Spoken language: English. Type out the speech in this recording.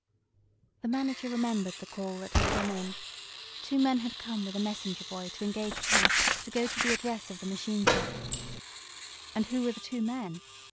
The manager remembered the call that had come in. Two men had come with a messenger boy to engage a cab to go to the address of the machine shop. "And who were the two men?"